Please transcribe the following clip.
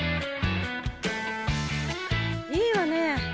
いいわね。